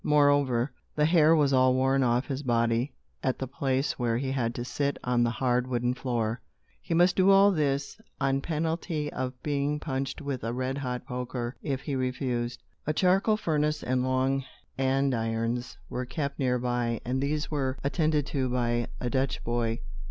Moreover, the hair was all worn off his body at the place where he had to sit on the hard wooden floor. He must do all this, on penalty of being punched with a red hot poker, if he refused. A charcoal furnace and long andirons were kept near by, and these were attended to by a Dutch boy.